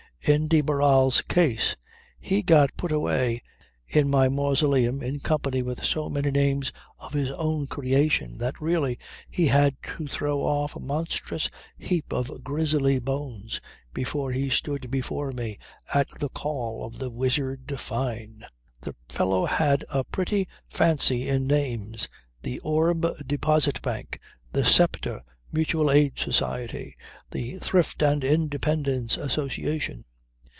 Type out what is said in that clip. In de Barral's case, he got put away in my mausoleum in company with so many names of his own creation that really he had to throw off a monstrous heap of grisly bones before he stood before me at the call of the wizard Fyne. The fellow had a pretty fancy in names: the "Orb" Deposit Bank, the "Sceptre" Mutual Aid Society, the "Thrift and Independence" Association.